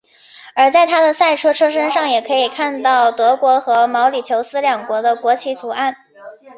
而在他的赛车车身上也能看到德国和毛里求斯两国的国旗图案。